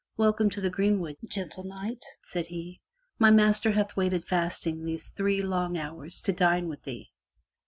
"Welcome to the greenwood, gentle Knight," said he. "My master hath waited fasting these three long hours to dine with thee."